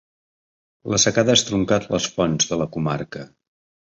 La secada ha estroncat les fonts de la comarca.